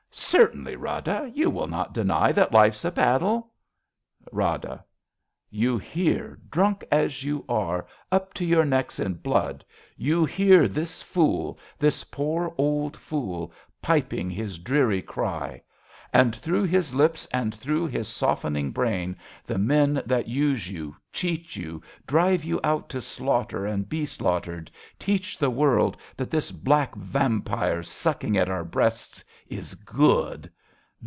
Certainly, Rada ! You will not deny That life's a battle. Rada. You hear, drunk as you are, Up to your necks in blood, you hear this fool. This poor old fool, piping his dreary cry. And through his lips, and through his softening brain, 58 A BELGIAN CHRISTMAS EVE The men that use you, cheat you, drive you out To slaughter and be slaughtered, teach the world That this black vampire, sucking at our breasts. Is good.